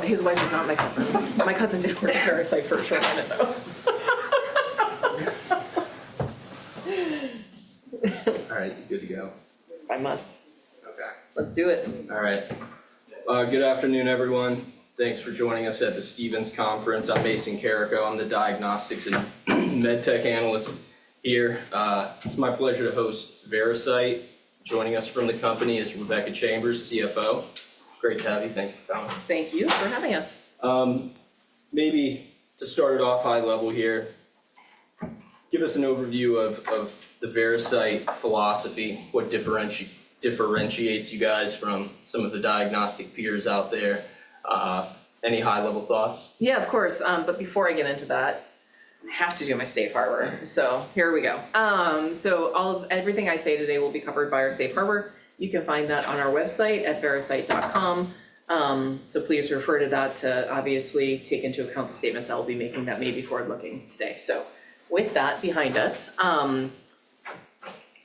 His wife is not my cousin. My cousin didn't work at Veracyte, Shayla Gorman, though. All right. You're good to go. I must. Okay. Let's do it. All right. Good afternoon, everyone. Thanks for joining us at the Stephens Conference. I'm Mason Carrico. I'm the diagnostics and medtech analyst here. It's my pleasure to host Veracyte. Joining us from the company is Rebecca Chambers, CFO. Great to have you. Thank you for coming. Thank you for having us. Maybe to start it off high level here, give us an overview of the Veracyte philosophy, what differentiates you guys from some of the diagnostic peers out there. Any high-level thoughts? Yeah, of course. But before I get into that. I have to do my safe harbor, so here we go. So everything I say today will be covered by our safe harbor. You can find that on our website at veracyte.com. So please refer to that to obviously take into account the statements I'll be making that may be forward-looking today. So with that behind us,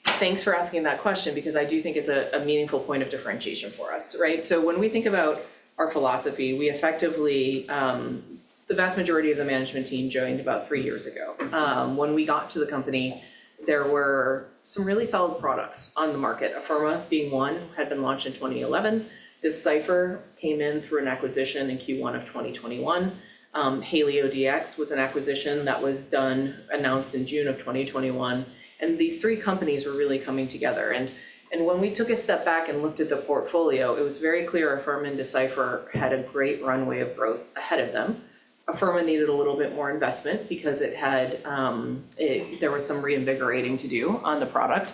thanks for asking that question because I do think it's a meaningful point of differentiation for us, right? So when we think about our philosophy, we effectively the vast majority of the management team joined about three years ago. When we got to the company, there were some really solid products on the market, Afirma being one that had been launched in 2011. Decipher came in through an acquisition in Q1 of 2021. HalioDx was an acquisition that was announced in June of 2021. And these three companies were really coming together. When we took a step back and looked at the portfolio, it was very clear Afirma and Decipher had a great runway of growth ahead of them. Afirma needed a little bit more investment because there was some reinvigorating to do on the product.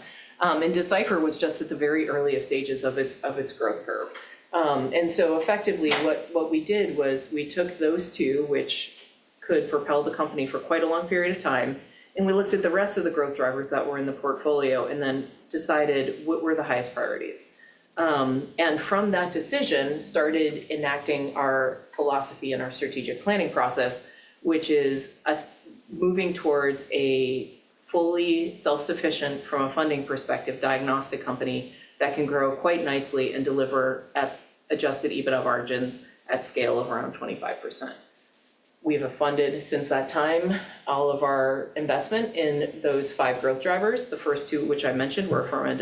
Decipher was just at the very earliest stages of its growth curve. So effectively, what we did was we took those two, which could propel the company for quite a long period of time, and we looked at the rest of the growth drivers that were in the portfolio and then decided what were the highest priorities. From that decision, started enacting our philosophy and our strategic planning process, which is moving towards a fully self-sufficient, from a funding perspective, diagnostic company that can grow quite nicely and deliver at Adjusted EBITDA margins at scale of around 25%. We have funded since that time all of our investment in those five growth drivers. The first two, which I mentioned, were Afirma and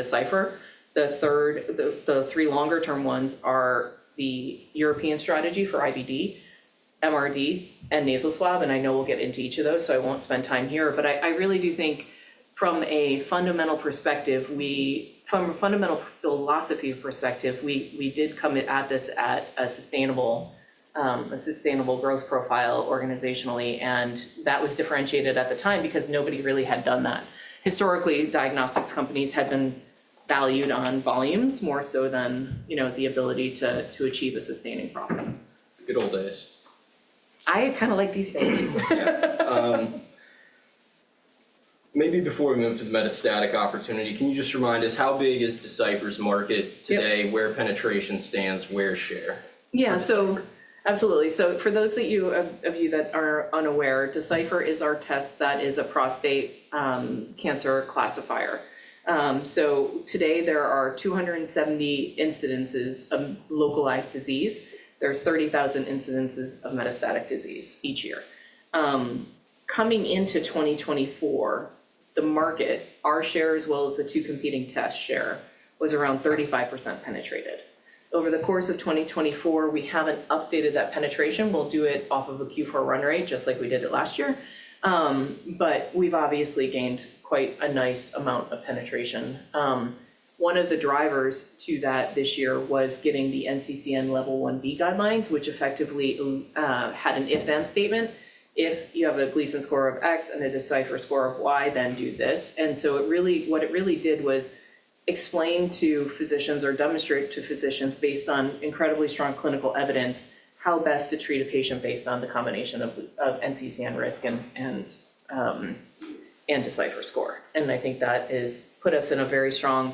Decipher. The three longer-term ones are the European strategy for IVD, MRD, and nasal swab, and I know we'll get into each of those, so I won't spend time here. But I really do think from a fundamental perspective, from a fundamental philosophy perspective, we did come at this at a sustainable growth profile organizationally. And that was differentiated at the time because nobody really had done that. Historically, diagnostics companies had been valued on volumes more so than the ability to achieve a sustaining profit. Good old days. I kind of like these days. Maybe before we move to the metastatic opportunity, can you just remind us how big is Decipher's market today, where penetration stands, where share? Yeah, so absolutely. So for those of you that are unaware, Decipher is our test that is a prostate cancer classifier. So today, there are 270 incidences of localized disease. There's 30,000 incidences of metastatic disease each year. Coming into 2024, the market, our share as well as the two competing tests' share, was around 35% penetrated. Over the course of 2024, we haven't updated that penetration. We'll do it off of a Q4 run rate just like we did it last year. But we've obviously gained quite a nice amount of penetration. One of the drivers to that this year was getting the NCCN level 1B guidelines, which effectively had an if-then statement. If you have a Gleason score of X and a Decipher score of Y, then do this. And so what it really did was explain to physicians or demonstrate to physicians based on incredibly strong clinical evidence how best to treat a patient based on the combination of NCCN risk and Decipher score. And I think that has put us in a very strong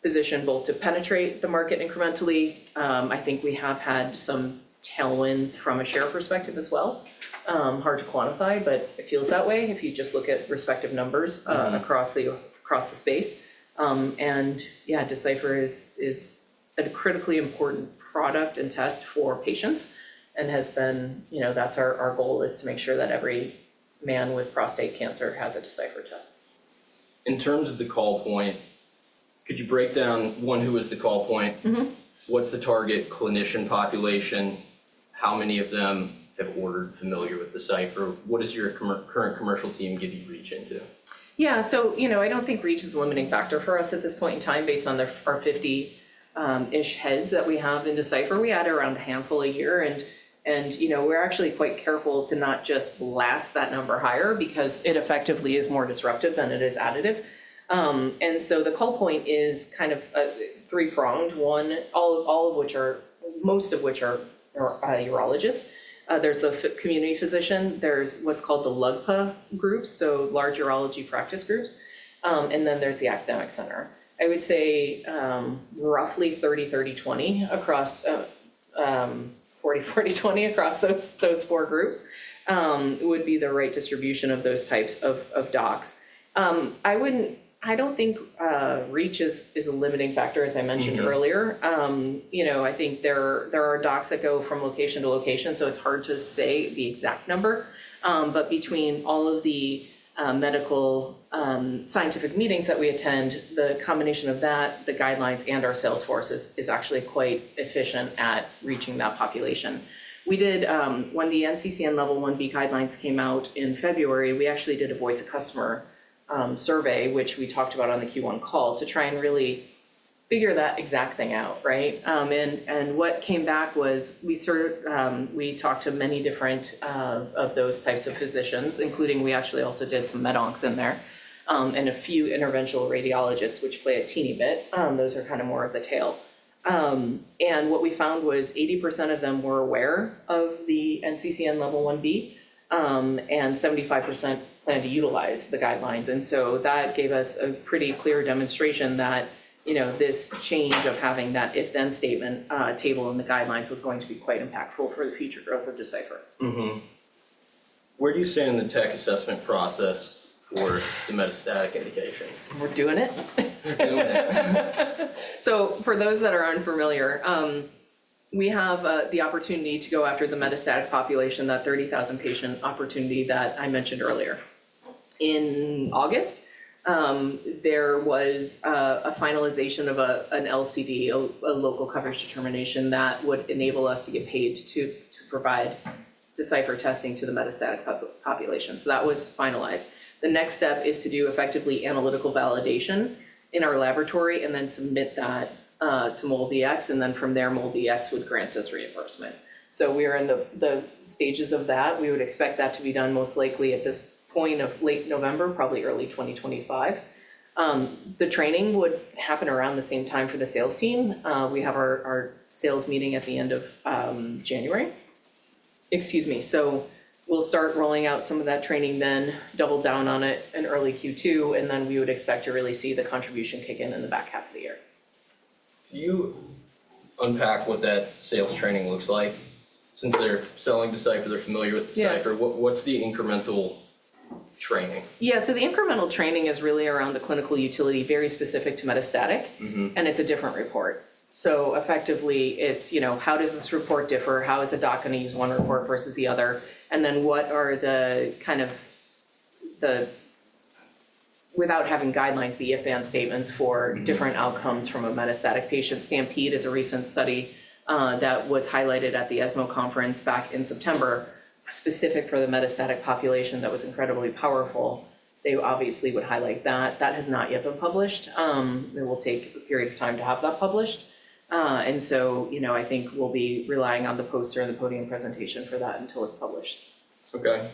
position both to penetrate the market incrementally. I think we have had some tailwinds from a share perspective as well. Hard to quantify, but it feels that way if you just look at respective numbers across the space. And yeah, Decipher is a critically important product and test for patients and has been. That's our goal is to make sure that every man with prostate cancer has a Decipher test. In terms of the call point, could you break down who is the call point? What's the target clinician population? How many of them have ordered or are familiar with Decipher? What reach does your current commercial team give you into? Yeah, so I don't think reach is a limiting factor for us at this point in time based on our 50-ish heads that we have in Decipher. We add around a handful a year, and we're actually quite careful to not just blast that number higher because it effectively is more disruptive than it is additive. So the call point is kind of three-pronged, all of which are urologists. There's the community physician. There's what's called the LUGPA group, so large urology practice groups, and then there's the academic center. I would say roughly 30, 30, 20 across 40, 40, 20 across those four groups would be the right distribution of those types of docs. I don't think reach is a limiting factor, as I mentioned earlier. I think there are docs that go from location to location, so it's hard to say the exact number. But between all of the medical scientific meetings that we attend, the combination of that, the guidelines, and our sales force is actually quite efficient at reaching that population. When the NCCN level 1B guidelines came out in February, we actually did a voice customer survey, which we talked about on the Q1 call to try and really figure that exact thing out, right? And what came back was we talked to many different of those types of physicians, including we actually also did some med-oncs in there and a few interventional radiologists, which play a teeny bit. Those are kind of more of the tail, and what we found was 80% of them were aware of the NCCN level 1B and 75% plan to utilize the guidelines. And so that gave us a pretty clear demonstration that this change of having that if-then statement table in the guidelines was going to be quite impactful for the future growth of Decipher. Where do you stand in the tech assessment process for the metastatic indications? We're doing it. We're doing it. For those that are unfamiliar, we have the opportunity to go after the metastatic population, that 30,000-patient opportunity that I mentioned earlier. In August, there was a finalization of an LCD, a local coverage determination that would enable us to get paid to provide Decipher testing to the metastatic population. So that was finalized. The next step is to do effectively analytical validation in our laboratory and then submit that to MolDx, and then from there, MolDx would grant us reimbursement. So we are in the stages of that. We would expect that to be done most likely at this point of late November, probably early 2025. The training would happen around the same time for the sales team. We have our sales meeting at the end of January. Excuse me. So we'll start rolling out some of that training then, double down on it in early Q2, and then we would expect to really see the contribution kick in in the back half of the year. Can you unpack what that sales training looks like? Since they're selling Decipher, they're familiar with Decipher, what's the incremental training? Yeah, so the incremental training is really around the clinical utility, very specific to metastatic, and it's a different report. So effectively, it's how does this report differ? How is a doc going to use one report versus the other? And then what are the kind of, without having guidelines, the if-then statements for different outcomes from a metastatic patient? STAMPEDE is a recent study that was highlighted at the ESMO conference back in September, specific for the metastatic population that was incredibly powerful. They obviously would highlight that. That has not yet been published. It will take a period of time to have that published. And so I think we'll be relying on the poster and the podium presentation for that until it's published. Okay.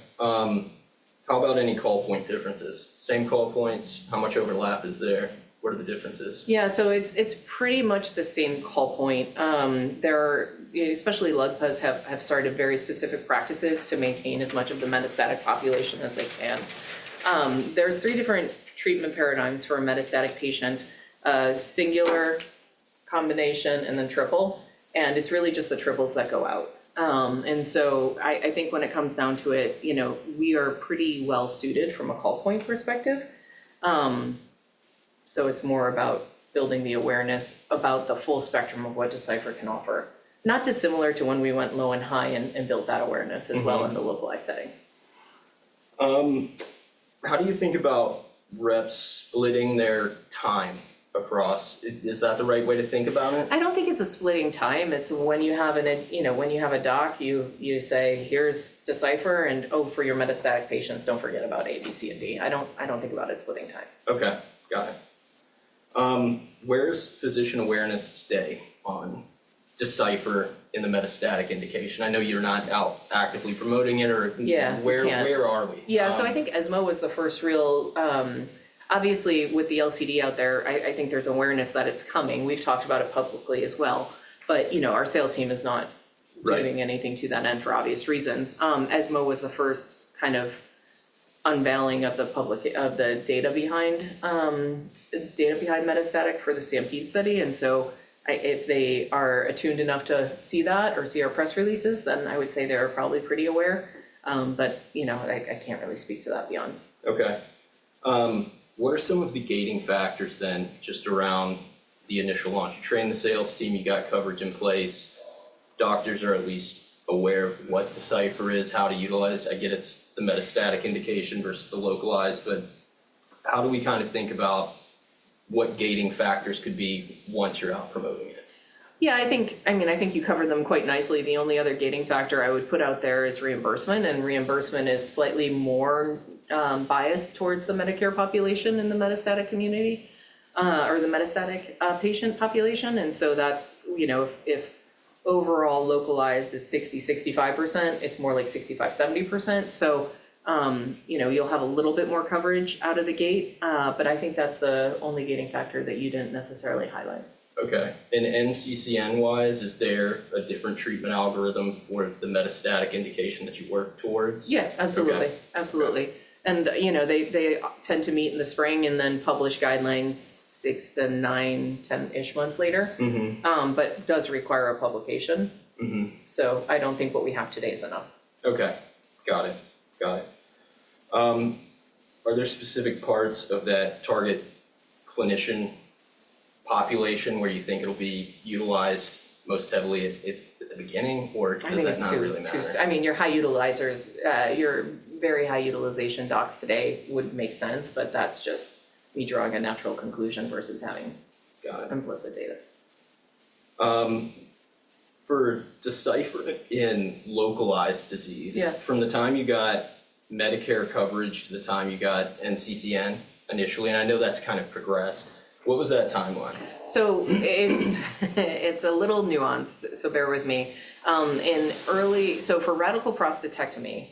How about any call point differences? Same call points? How much overlap is there? What are the differences? Yeah, so it's pretty much the same call point. Especially LUGPAs have started very specific practices to maintain as much of the metastatic population as they can. There's three different treatment paradigms for a metastatic patient. Singular, combination, and then triple. It's really just the triples that go out. So I think when it comes down to it, we are pretty well-suited from a call point perspective. It's more about building the awareness about the full spectrum of what Decipher can offer. Not dissimilar to when we went low and high and built that awareness as well in the localized setting. How do you think about reps splitting their time across? Is that the right way to think about it? I don't think it's a splitting time. It's when you have a doc, you say, "Here's Decipher," and, "Oh, for your metastatic patients, don't forget about A, B, C, and D." I don't think about it as splitting time. Okay. Got it. Where's physician awareness today on Decipher in the metastatic indication? I know you're not out actively promoting it or where are we? Yeah, so I think ESMO was the first real obviously, with the LCD out there, I think there's awareness that it's coming. We've talked about it publicly as well. But our sales team is not doing anything to that end for obvious reasons. ESMO was the first kind of unveiling of the data behind metastatic for the STAMPEDE study. And so if they are attuned enough to see that or see our press releases, then I would say they're probably pretty aware. But I can't really speak to that beyond. Okay. What are some of the gating factors then just around the initial launch? You train the sales team, you've got coverage in place. Doctors are at least aware of what Decipher is, how to utilize it. I get it's the metastatic indication versus the localized, but how do we kind of think about what gating factors could be once you're out promoting it? Yeah, I mean, I think you covered them quite nicely. The only other gating factor I would put out there is reimbursement. And reimbursement is slightly more biased towards the Medicare population than the metastatic community or the metastatic patient population. And so if overall localized is 60%-65%, it's more like 65%-70%. So you'll have a little bit more coverage out of the gate. But I think that's the only gating factor that you didn't necessarily highlight. Okay. And NCCN-wise, is there a different treatment algorithm for the metastatic indication that you work towards? Yeah, absolutely. Absolutely. And they tend to meet in the spring and then publish guidelines six to nine, 10-ish months later, but it does require a publication. So I don't think what we have today is enough. Okay. Got it. Are there specific parts of that target clinician population where you think it'll be utilized most heavily at the beginning, or does that not really matter? I mean, your high utilizers, your very high utilization docs today would make sense, but that's just me drawing a natural conclusion versus having implicit data. For Decipher in localized disease, from the time you got Medicare coverage to the time you got NCCN initially, and I know that's kind of progressed, what was that timeline? So it's a little nuanced, so bear with me. So for radical prostatectomy,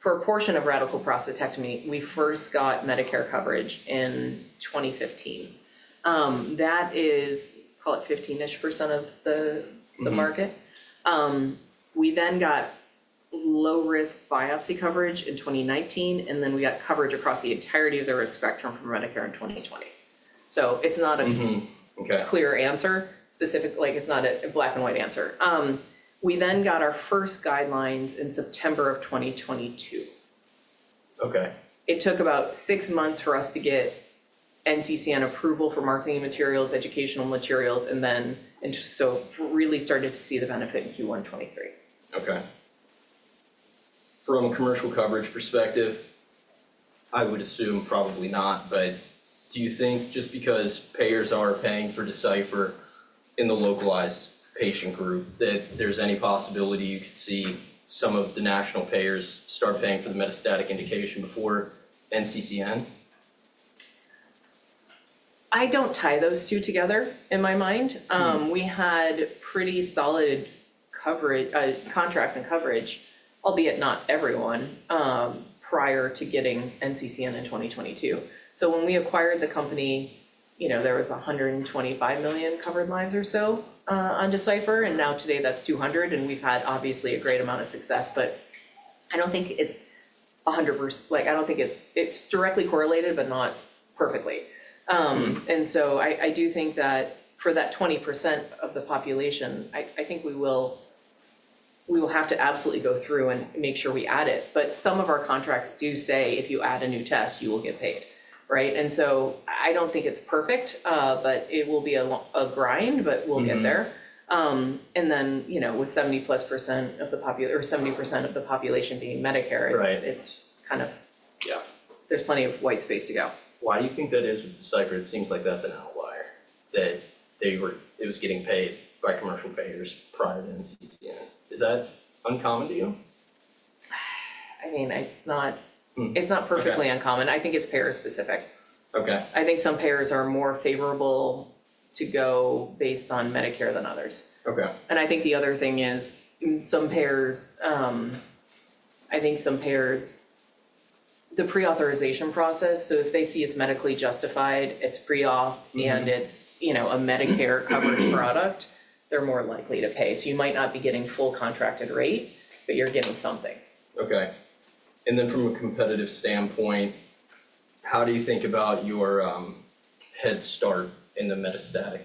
for a portion of radical prostatectomy, we first got Medicare coverage in 2015. That is, call it 15-ish% of the market. We then got low-risk biopsy coverage in 2019, and then we got coverage across the entirety of the risk spectrum from Medicare in 2020. So it's not a clear answer. It's not a black and white answer. We then got our first guidelines in September of 2022. It took about six months for us to get NCCN approval for marketing materials, educational materials, and then so really started to see the benefit in Q1 2023. Okay. From a commercial coverage perspective, I would assume probably not, but do you think just because payers are paying for Decipher in the localized patient group that there's any possibility you could see some of the national payers start paying for the metastatic indication before NCCN? I don't tie those two together in my mind. We had pretty solid contracts and coverage, albeit not everyone, prior to getting NCCN in 2022. So when we acquired the company, there was 125 million covered lives or so on Decipher. And now today, that's 200, and we've had obviously a great amount of success, but I don't think it's 100%. I don't think it's directly correlated, but not perfectly. And so I do think that for that 20% of the population, I think we will have to absolutely go through and make sure we add it. But some of our contracts do say if you add a new test, you will get paid, right? And so I don't think it's perfect, but it will be a grind, but we'll get there. And then with 70%+ or 70% of the population being Medicare, it's kind of, there's plenty of white space to go. Why do you think that is with Decipher it seems like that's an outlier that it was getting paid by commercial payers prior to NCCN. Is that uncommon to you? I mean, it's not perfectly uncommon. I think it's payer-specific. I think some payers are more favorable to go based on Medicare than others. And I think the other thing is some payers, the pre-authorization process, so if they see it's medically justified, it's pre-auth, and it's a Medicare-covered product, they're more likely to pay. So you might not be getting full contracted rate, but you're getting something. Okay. And then from a competitive standpoint, how do you think about your head start in the metastatic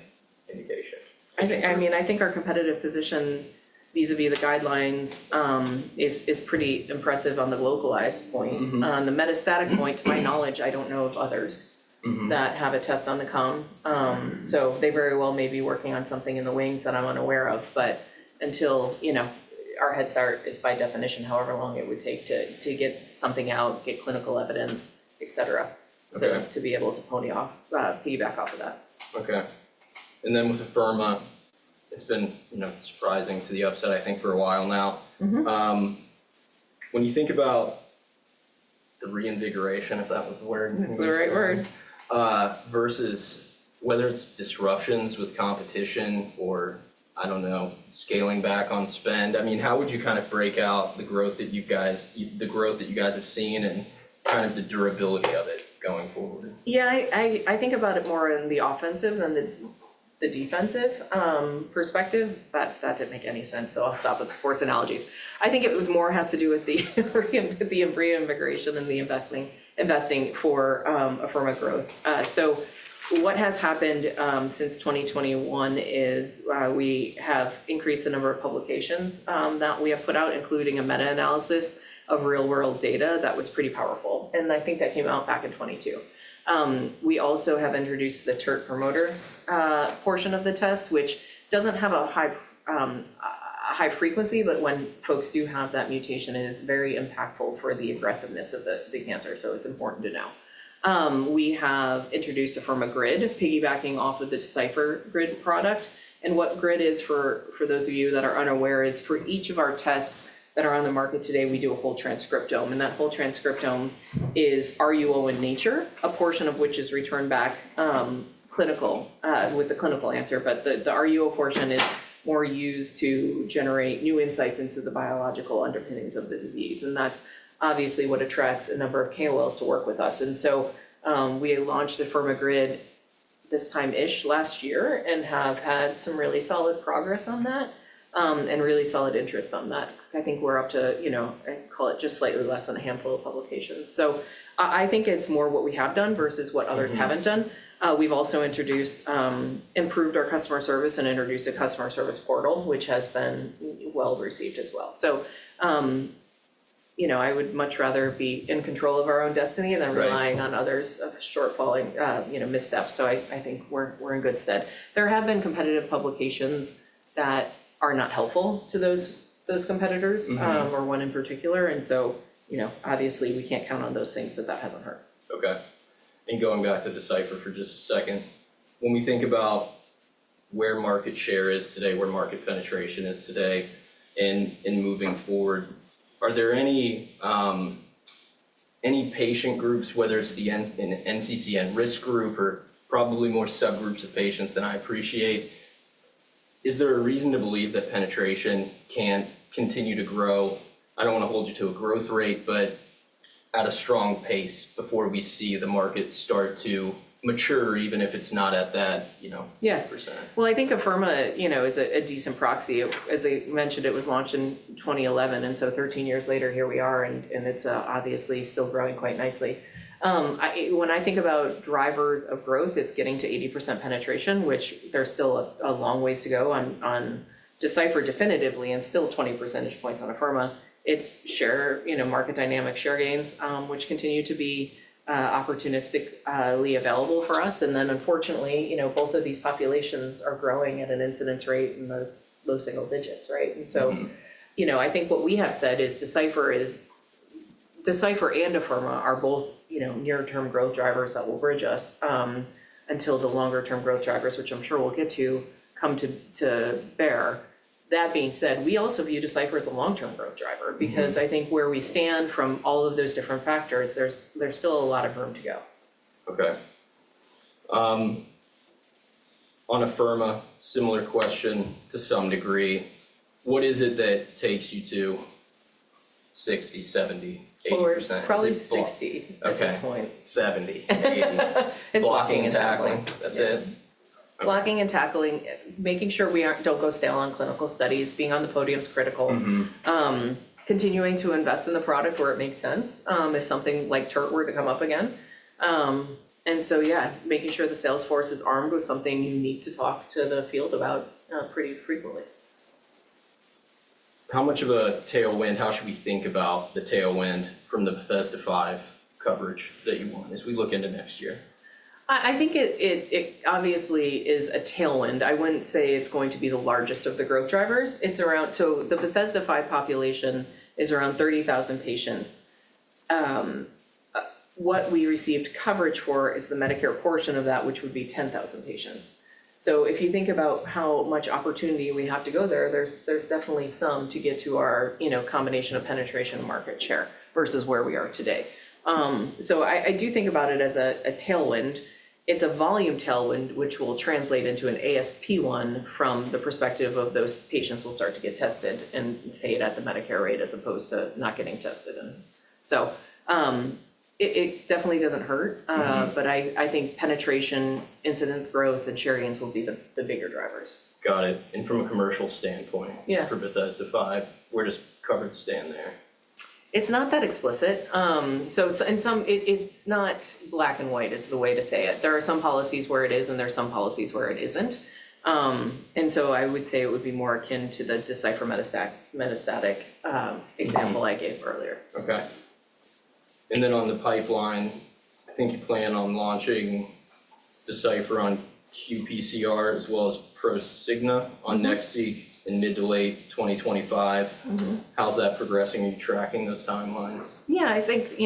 indication? I mean, I think our competitive position vis-à-vis the guidelines is pretty impressive on the localized point. On the metastatic point, to my knowledge, I don't know of others that have a test on the market. So they very well may be working on something in the wings that I'm unaware of, but until our head start is by definition however long it would take to get something out, get clinical evidence, etc., to be able to piggyback off of that. Okay, and then with the pharma, it's been surprising to the upside, I think, for a while now. When you think about the reinvigoration, if that was the word. That's the right word. Versus whether it's disruptions with competition or, I don't know, scaling back on spend, I mean, how would you kind of break out the growth that you guys have seen and kind of the durability of it going forward? Yeah, I think about it more in the offensive than the defensive perspective. That didn't make any sense, so I'll stop with sports analogies. I think it more has to do with the reinvigoration and the investing for a form of growth. So what has happened since 2021 is we have increased the number of publications that we have put out, including a meta-analysis of real-world data that was pretty powerful, and I think that came out back in 2022. We also have introduced the TERT promoter portion of the test, which doesn't have a high frequency, but when folks do have that mutation, it is very impactful for the aggressiveness of the cancer, so it's important to know. We have introduced a pharma grid, piggybacking off of the Decipher Grid product. And what grid is, for those of you that are unaware, is for each of our tests that are on the market today, we do a whole transcriptome. And that whole transcriptome is RUO in nature, a portion of which is returned back clinical with the clinical answer. But the RUO portion is more used to generate new insights into the biological underpinnings of the disease. And that's obviously what attracts a number of KOLs to work with us. And so we launched a pharma grid this time-ish last year and have had some really solid progress on that and really solid interest on that. I think we're up to, I call it just slightly less than a handful of publications. So I think it's more what we have done versus what others haven't done. We've also introduced, improved our customer service and introduced a customer service portal, which has been well received as well. So I would much rather be in control of our own destiny than relying on others' shortfalling missteps. So I think we're in good stead. There have been competitive publications that are not helpful to those competitors or one in particular, and so obviously, we can't count on those things, but that hasn't hurt. Okay. And going back to Decipher for just a second, when we think about where market share is today, where market penetration is today, and moving forward, are there any patient groups, whether it's the NCCN risk group or probably more subgroups of patients than I appreciate, is there a reason to believe that penetration can continue to grow? I don't want to hold you to a growth rate, but at a strong pace before we see the market start to mature, even if it's not at that percent? Yeah. Well, I think Afirma is a decent proxy. As I mentioned, it was launched in 2011, and so 13 years later, here we are, and it's obviously still growing quite nicely. When I think about drivers of growth, it's getting to 80% penetration, which there's still a long ways to go on Decipher definitively and still 20 percentage points on Afirma. It's market dynamic share gains, which continue to be opportunistically available for us, and then, unfortunately, both of these populations are growing at an incidence rate in the low single digits, right? And so I think what we have said is Decipher and Afirma are both near-term growth drivers that will bridge us until the longer-term growth drivers, which I'm sure we'll get to, come to bear. That being said, we also view Decipher as a long-term growth driver because I think where we stand from all of those different factors, there's still a lot of room to go. Okay. On a pharma, similar question to some degree, what is it that takes you to 60%, 70%, 80%? Probably 60 at this point. Okay. 70. It's blocking and tackling. That's it. Blocking and tackling, making sure we don't go stale on clinical studies, being on the podium is critical, continuing to invest in the product where it makes sense if something like TERT were to come up again. And so, yeah, making sure the salesforce is armed with something you need to talk to the field about pretty frequently. How much of a tailwind, how should we think about the tailwind from the Bethesda 5 coverage that you want as we look into next year? I think it obviously is a tailwind. I wouldn't say it's going to be the largest of the growth drivers. So the Bethesda 5 population is around 30,000 patients. What we received coverage for is the Medicare portion of that, which would be 10,000 patients. So if you think about how much opportunity we have to go there, there's definitely some to get to our combination of penetration market share versus where we are today. So I do think about it as a tailwind. It's a volume tailwind, which will translate into an ASP1 from the perspective of those patients will start to get tested and pay it at the Medicare rate as opposed to not getting tested, and so it definitely doesn't hurt, but I think penetration, incidence, growth, and share gains will be the bigger drivers. Got it. From a commercial standpoint for Bethesda 5, where does coverage stand there? It's not that explicit. So it's not black and white is the way to say it. There are some policies where it is, and there are some policies where it isn't. And so I would say it would be more akin to the Decipher metastatic example I gave earlier. Okay. And then on the pipeline, I think you plan on launching Decipher on qPCR as well as Prosigna on NextSeq in mid to late 2025. How's that progressing? Are you tracking those timelines? Yeah, I think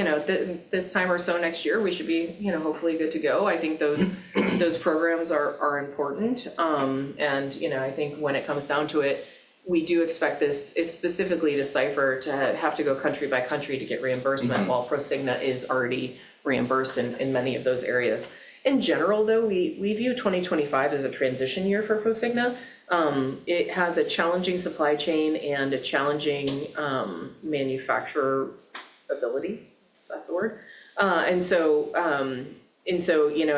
this time or so next year, we should be hopefully good to go. I think those programs are important, and I think when it comes down to it, we do expect this, specifically Decipher, to have to go country by country to get reimbursement while Prosigna is already reimbursed in many of those areas. In general, though, we view 2025 as a transition year for Prosigna. It has a challenging supply chain and a challenging manufacturability, if that's a word, and so I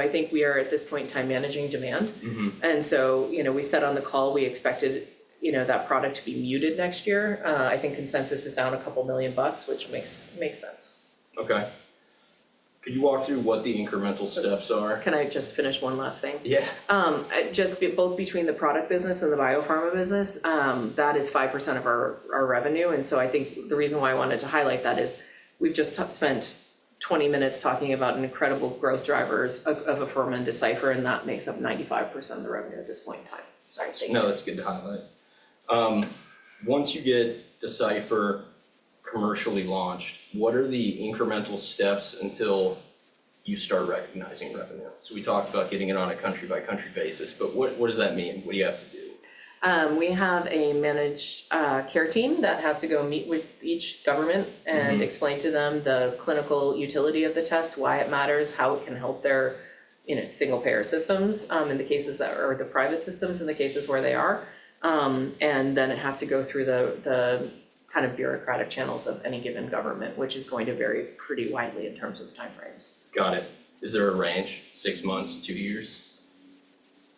think we are at this point in time managing demand, and so we said on the call, we expected that product to be muted next year. I think consensus is down a couple million bucks, which makes sense. Okay. Could you walk through what the incremental steps are? Can I just finish one last thing? Yeah. Just both between the product business and the biopharma business, that is 5% of our revenue, and so I think the reason why I wanted to highlight that is we've just spent 20 minutes talking about incredible growth drivers of biopharma and Decipher, and that makes up 95% of the revenue at this point in time. Sorry. No, that's good to highlight. Once you get Decipher commercially launched, what are the incremental steps until you start recognizing revenue? So we talked about getting it on a country-by-country basis, but what does that mean? What do you have to do? We have a managed care team that has to go meet with each government and explain to them the clinical utility of the test, why it matters, how it can help their single payer systems in the cases that are the private systems in the cases where they are, and then it has to go through the kind of bureaucratic channels of any given government, which is going to vary pretty widely in terms of timeframes. Got it. Is there a range, six months, two years?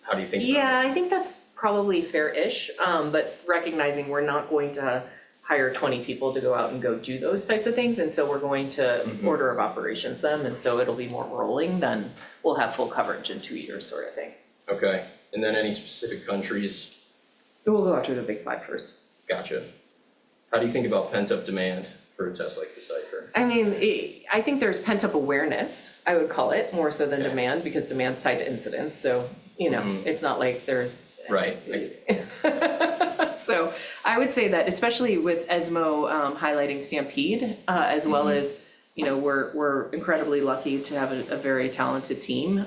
How do you think about it? Yeah, I think that's probably fair-ish, but recognizing we're not going to hire 20 people to go out and go do those types of things. And so we're going to order of operations them. And so it'll be more rolling than we'll have full coverage in two years sort of thing. Okay, and then any specific countries? We'll go after the big five first. Gotcha. How do you think about pent-up demand for a test like Decipher? I mean, I think there's pent-up awareness, I would call it, more so than demand because demand's tied to incidence. So it's not like there's. Right. So I would say that, especially with ESMO highlighting STAMPEDE, as well as we're incredibly lucky to have a very talented team,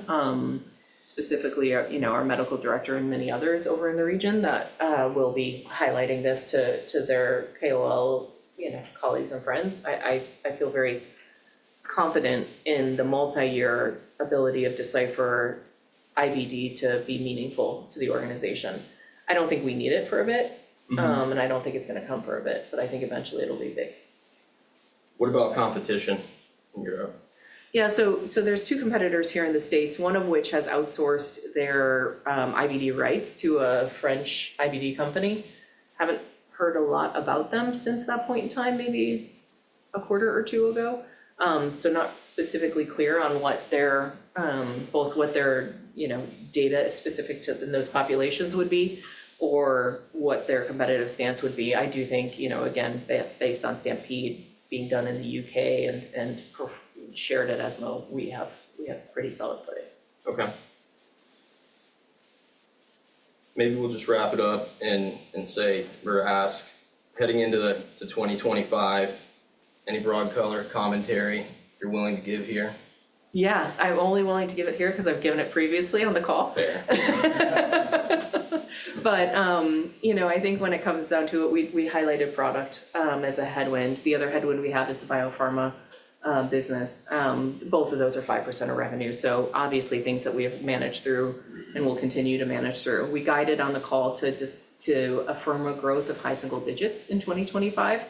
specifically our medical director and many others over in the region that will be highlighting this to their KOL colleagues and friends. I feel very confident in the multi-year ability of Decipher IVD to be meaningful to the organization. I don't think we need it for a bit, and I don't think it's going to come for a bit, but I think eventually it'll be big. What about competition in Europe? Yeah, so there's two competitors here in the States, one of which has outsourced their IVD rights to a French IVD company. Haven't heard a lot about them since that point in time, maybe a quarter or two ago, so not specifically clear on both what their data specific to those populations would be or what their competitive stance would be. I do think, again, based on STAMPEDE being done in the U.K. and shared at ESMO, we have pretty solid footing. Okay. Maybe we'll just wrap it up and say or ask, heading into 2025, any broad color commentary you're willing to give here? Yeah, I'm only willing to give it here because I've given it previously on the call. Fair. But I think when it comes down to it, we highlighted product as a headwind. The other headwind we have is the biopharma business. Both of those are 5% of revenue. So obviously, things that we have managed through and will continue to manage through. We guided on the call to a pharma growth of high single digits in 2025.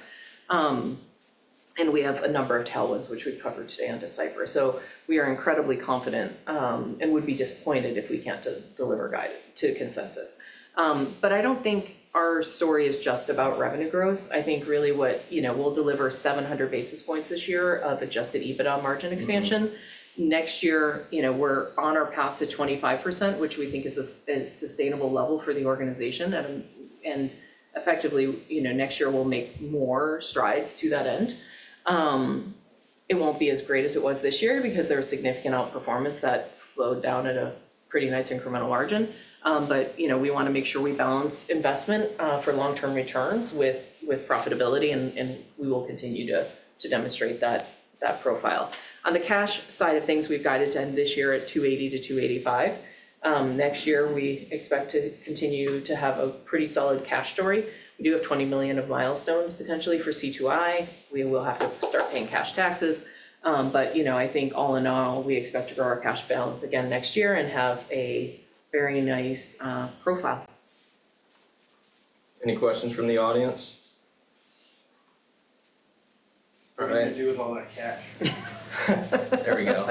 And we have a number of tailwinds, which we've covered today on Decipher. So we are incredibly confident and would be disappointed if we can't deliver to consensus. But I don't think our story is just about revenue growth. I think really what we'll deliver is 700 basis points this year of Adjusted EBITDA margin expansion. Next year, we're on our path to 25%, which we think is a sustainable level for the organization. And effectively, next year, we'll make more strides to that end. It won't be as great as it was this year because there was significant outperformance that flowed down at a pretty nice incremental margin, but we want to make sure we balance investment for long-term returns with profitability, and we will continue to demonstrate that profile. On the cash side of things, we've guided to end this year at $280-$285. Next year, we expect to continue to have a pretty solid cash story. We do have $20 million of milestones potentially for C2i. We will have to start paying cash taxes, but I think all in all, we expect to grow our cash balance again next year and have a very nice profile. Any questions from the audience? What do you do with all that cash? There we go.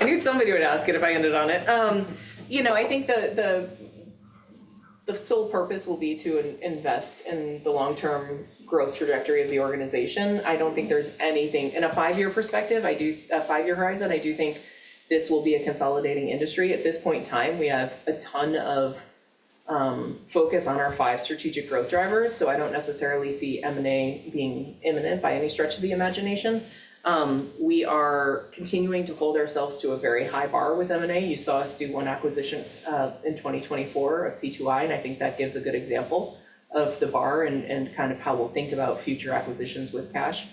I knew somebody would ask it if I ended on it. I think the sole purpose will be to invest in the long-term growth trajectory of the organization. I don't think there's anything in a five-year perspective, a five-year horizon. I do think this will be a consolidating industry. At this point in time, we have a ton of focus on our five strategic growth drivers. So I don't necessarily see M&A being imminent by any stretch of the imagination. We are continuing to hold ourselves to a very high bar with M&A. You saw us do one acquisition in 2024 of C2i, and I think that gives a good example of the bar and kind of how we'll think about future acquisitions with cash.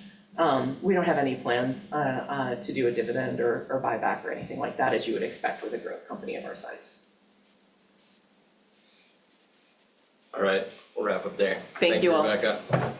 We don't have any plans to do a dividend or buyback or anything like that, as you would expect for the growth company of our size. All right. We'll wrap up there. Thank you all. Thank you, Rebecca.